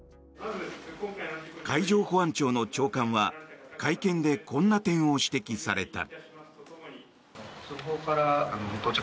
海上保安庁の長官は会見でこんな点を指摘された。